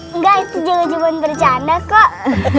enggak itu juga cobain bercanda kok